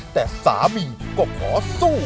แต่สามีก็ขอสู้